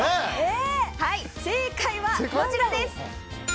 正解は、こちらです。